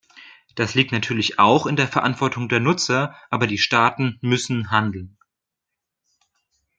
Das liegt natürlich auch in der Verantwortung der Nutzer, aber die Staaten müssen handeln.